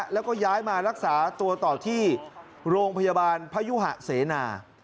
แล้วก็ย้ายมารักษาตัวต่อที่โรงพยาบาลพยุหะเสนา